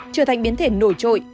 trở thành biến thể nổi trội